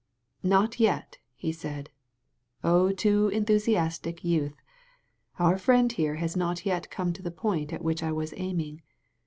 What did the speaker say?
"Not yet," he said, "O too enthusiastic youth ! Our friend here has not yet come to the point at which I was aiming.